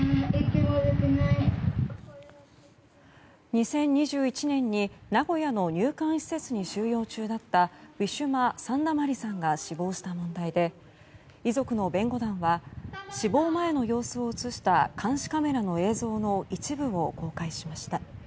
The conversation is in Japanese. ２０２１年に名古屋の入管施設に収容中だったウィシュマ・サンダマリさんが死亡した問題で遺族の弁護団は死亡前の様子を映した監視カメラの映像の一部を公開しました。